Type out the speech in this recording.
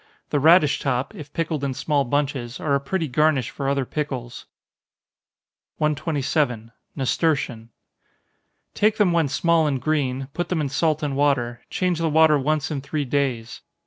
The radish top, if pickled in small bunches, are a pretty garnish for other pickles. 127. Nasturtion. Take them when small and green put them in salt and water change the water once in three days.